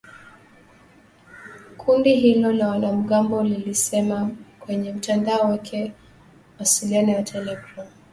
Kundi hilo la wanamgambo lilisema kwenye mtandao wake wa mawasiliano ya telegram